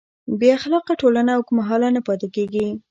بېاخلاقه ټولنه اوږدمهاله نه پاتې کېږي.